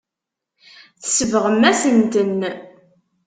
Tsebɣem-asent-ten.